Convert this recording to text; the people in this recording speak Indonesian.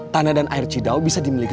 tanah dan air cidau bisa dimiliki